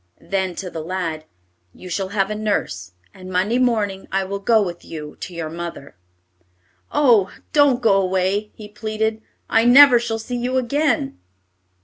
Then, to the lad, "You shall have a nurse, and Monday morning I will go with you to your mother." "Oh! don't go away," he pleaded; "I never shall see you again."